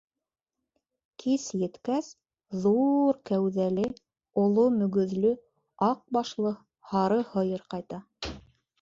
Кис еткәс, ҙу-ур кәүҙәле, оло мөгөҙлө аҡ башлы һары һыйыр ҡайта.